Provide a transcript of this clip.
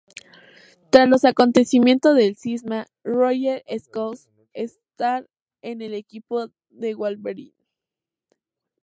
Tras los acontecimientos del "cisma", Rogue escoge estar en el equipo de Wolverine.